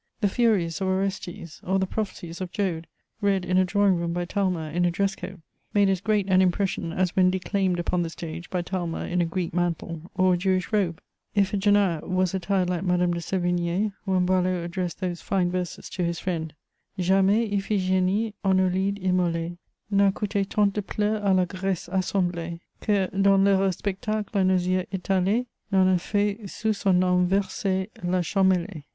The "furies" of Orestes, or the "prophecies" of Joad, read in a drawing room by Talma in a dress coat, made as great an impression as when declaimed upon the stage by Talma in a Greek mantle or a Jewish robe. Iphigenia was attired like Madame de Sévigné, when Boileau addressed those fine verses to his friend: Jamais Iphigénie en Aulide immolée N'a coûté tant de pleurs à la Grèce assemblée Que, dans l'heureux spectacle à nos yeux étalé, N'en a fait sous son nom verser la Champmeslé.